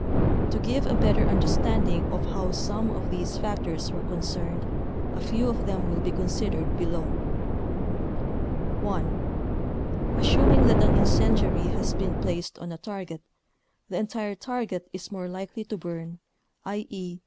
To give a better understanding of how some of these factors were concerned a few of them will be considered below: (1) Assuming that an incendiary has been placed on a target, the entire target is more likely to burn, i.e.